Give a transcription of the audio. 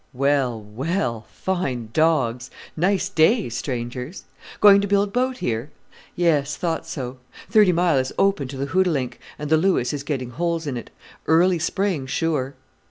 "Well! well! fine dogs, nice day, strangers. Going to build boat here? yes, thought so. Thirty Mile is open to the Hootalink, and the Lewis is getting holes in it. Early spring, sure!"